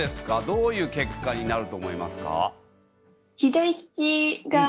どういう結果になると思いますか？